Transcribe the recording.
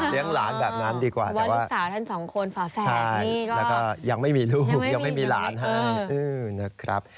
เลี้ยงหลานแบบนั้นดีกว่าวันลูกสาวทั้ง๒คนฝาแฝดนี่ก็ยังไม่มีลูกยังไม่มีหลานให้